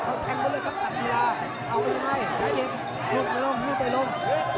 ลุกลงลุกลงลุกลงลุกลงลุกลงลุกลงลุกลง